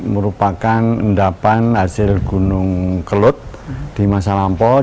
merupakan endapan hasil gunung kelut di masa lampau